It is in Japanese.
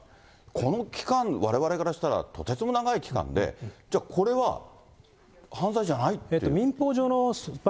この期間、われわれからしたら、とてつもなく長い期間で、じゃあ、これは犯罪じゃないって。